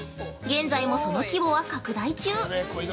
現在もその規模は拡大中。